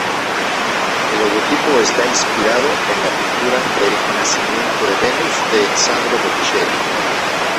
El logotipo está inspirado en la pintura El nacimiento de Venus de Sandro Botticelli.